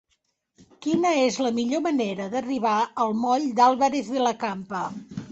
Quina és la millor manera d'arribar al moll d'Álvarez de la Campa?